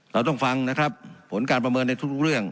เราต้องฟังนะครับผลการประเมินในทุกเรื่อง